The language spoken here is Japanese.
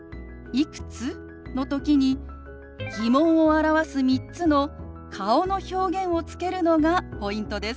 「いくつ？」の時に疑問を表す３つの顔の表現をつけるのがポイントです。